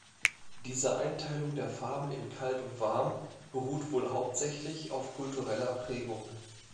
Diese Einteilung der Farben in kalt und warm beruht wohl hauptsächlich auf kultureller Prägung.